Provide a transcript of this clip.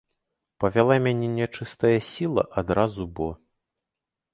Павяла мяне нячыстая сіла адразу бо!